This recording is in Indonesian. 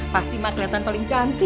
pasti mah kelihatan paling cantik